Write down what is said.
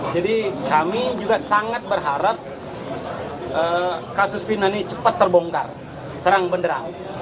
jadi kami juga sangat berharap kasus vina ini cepat terbongkar terang menderang